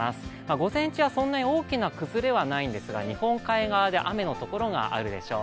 午前中はそんなに大きな崩れはないんですが日本海側で雨のところがあるでしょう。